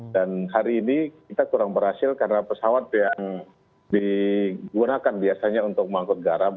dan hari ini kita kurang berhasil karena pesawat yang digunakan biasanya untuk mengangkut garam